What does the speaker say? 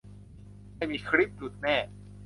ไม่มีคลิปหลุดแน่